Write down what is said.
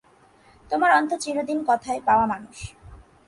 তোমার অন্তু চিরদিন কথায়-পাওয়া মানুষ।